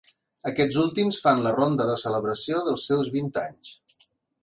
Aquests últims fan la ronda de celebració dels seus vint anys.